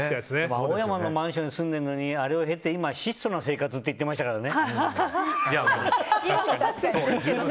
青山のマンションに住んでるのに、あれを経て今、質素な生活って言ってましたからね。